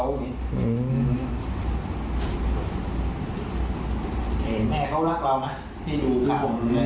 ผมรักแม่ผมรักแม่